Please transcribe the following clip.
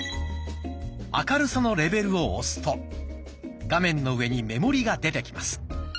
「明るさのレベル」を押すと画面の上に目盛りが出てきます。